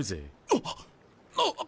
あっあぁ！